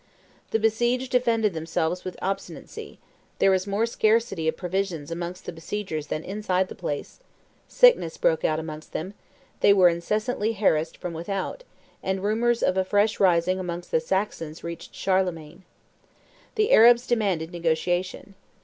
The besieged defended themselves with obstinacy; there was more scarcity of provisions amongst the besiegers than inside the place; sickness broke out amongst them; they were incessantly harassed from without; and rumors of a fresh rising amongst the Saxons reached Charlemagne. The Arabs demanded negotiation.